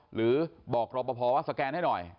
หรือบอกรอปภว่าสแกนให้หน่อย